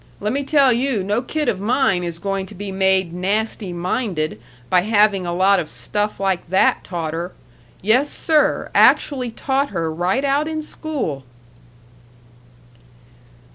Lemme tell you, no kid of mine is going to be made nasty minded by having a lot of stuff like that taught her. Yes, sir, actually taught her right out in school."